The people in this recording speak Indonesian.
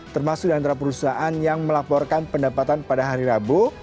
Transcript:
termasuk di antara perusahaan yang melaporkan pendapatan pada hari rabu